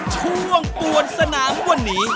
ช่วงปวนสนามวันนี้